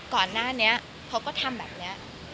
ก่อนหน้านี้เขาก็ทำแบบนี้